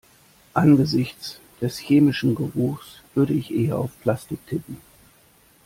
Angesichts des chemischen Geruchs würde ich eher auf Plastik tippen.